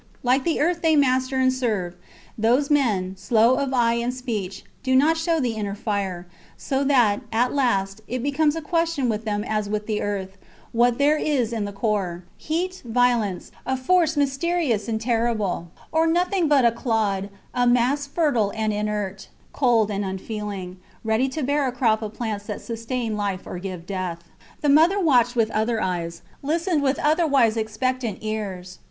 Like the earth they master and serve, those men, slow of eye and speech, do not show the inner fire; so that, at last, it becomes a question with them as with the earth, what there is in the core: heat, violence, a force mysterious and terrible or nothing but a clod, a mass fertile and inert, cold and unfeeling, ready to bear a crop of plants that sustain life or give death. The mother watched with other eyes; listened with otherwise expectant ears.